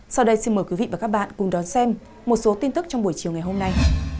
sau đây xin mời quý vị và các bạn cùng đón xem một số tin tức trong buổi chiều ngày hôm nay